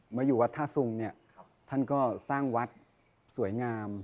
มาอยู่วัดทะศุงศ์ท่านก็สร้างวัดสวยงาม